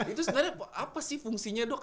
itu sebenarnya apa sih fungsinya dok